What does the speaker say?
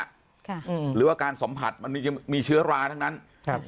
ค่ะอืมหรือว่าการสัมผัสมันมีจะมีเชื้อราทั้งนั้นครับ